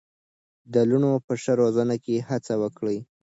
د لوڼو په ښه روزنه کې هڅه وکړئ.